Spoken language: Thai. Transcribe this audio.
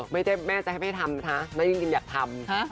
ไม่ใช่แม่จะให้ไม่ทำนะน้องนิรินอยากทำ